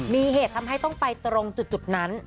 มีเหตุทำให้ต้องไปตรงจุดนั้น